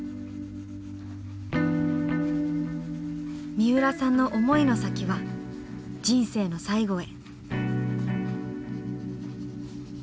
みうらさんの思いの先は人生の最期へ。